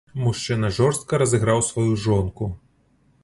Мужчына жорстка разыграў сваю жонку.